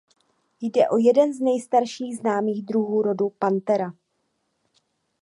Jde o jeden z nejstarších známých druhů rodu "Panthera".